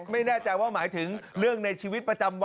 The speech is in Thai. ครับครับทำยังไงดี